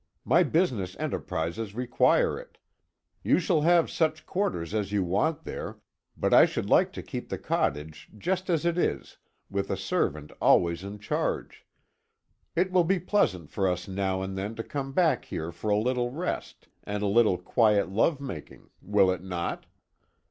My business enterprises require it. You shall have such quarters as you want there, but I should like to keep the cottage just as it is, with a servant always in charge. It will be pleasant for us now and then to come back here for a little rest, and a little quiet love making. Will it not?"